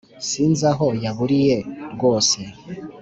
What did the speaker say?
Sinzi aho yaburiye rwose